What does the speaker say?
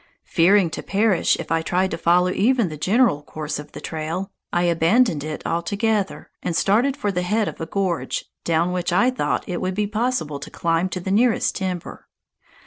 Fearing to perish if I tried to follow even the general course of the trail, I abandoned it altogether, and started for the head of a gorge, down which I thought it would be possible to climb to the nearest timber.